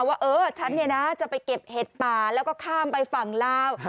ว่าเออฉันเนี่ยนะจะไปเก็บเห็ดป่าแล้วก็ข้ามไปฝั่งลาว